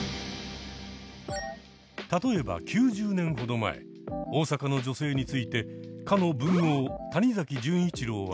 例えば９０年ほど前大阪の女性についてかの文豪谷崎潤一郎は